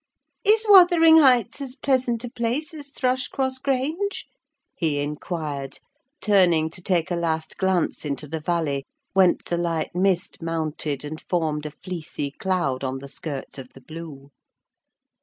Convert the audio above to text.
"Is Wuthering Heights as pleasant a place as Thrushcross Grange?" he inquired, turning to take a last glance into the valley, whence a light mist mounted and formed a fleecy cloud on the skirts of the blue.